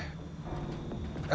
berita apa ya